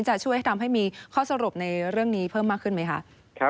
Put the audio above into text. จะช่วยให้ทำให้มีข้อสรุปในเรื่องนี้เพิ่มมากขึ้นไหมคะ